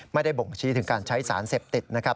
บ่งชี้ถึงการใช้สารเสพติดนะครับ